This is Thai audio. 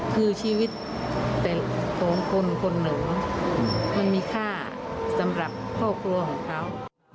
คือชีวิตคนหนึ่งมันมีค่าสำหรับพ่อครัวของเขา